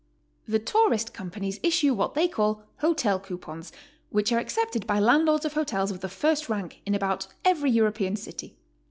The tourist companies issue what they call hotel coupons, which are accepted by landlords of hotels of the first rank in about every European city.